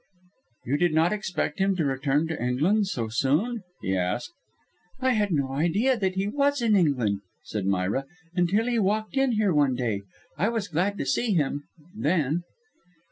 "You did not expect him to return to England so soon?" he asked. "I had no idea that he was in England," said Myra, "until he walked in here one day. I was glad to see him then."